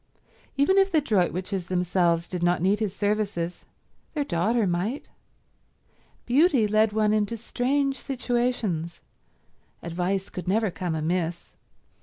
Even if the Droitwiches themselves did not need his services, their daughter might. Beauty led one into strange situations; advice could never come amiss.